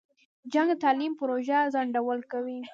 جنګ د تعلیمي پروژو ځنډول کوي.